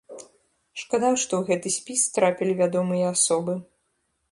Шкада, што ў гэты спіс трапілі вядомыя асобы.